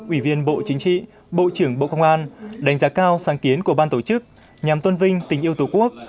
ủy viên bộ chính trị bộ trưởng bộ công an đánh giá cao sáng kiến của ban tổ chức nhằm tôn vinh tình yêu tổ quốc